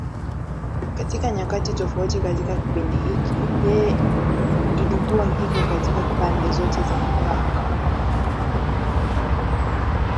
Katika nyakati tofauti katika kipindi hiki, yeye ilikuwa iko katika pande zote za mpaka.